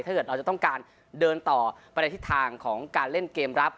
ถ้าเกิดเราจะต้องการเดินต่อไปในทิศทางของการเล่นเกมรับ